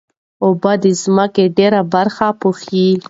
اوبه د ځمکې ډېره برخه پوښي.